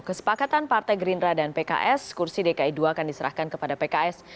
kesepakatan partai gerindra dan pks kursi dki dua akan diserahkan kepada pks